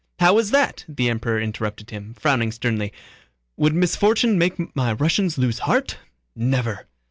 "How is that?" the Emperor interrupted him, frowning sternly. "Would misfortune make my Russians lose heart?... Never!"